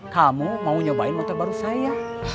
kamu mau nyobain motor baru saya